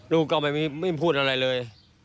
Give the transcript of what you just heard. ลูกก็ไม่พูดอะไรเลย